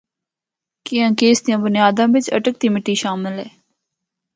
کیّاںکہ اس دیاں بنیاداں بچ اٹک دی مٹی شامل ہے۔